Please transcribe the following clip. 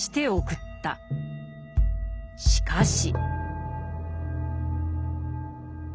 しかし。